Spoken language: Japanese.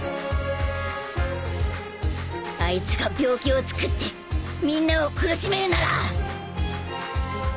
あいつが病気をつくってみんなを苦しめるなら。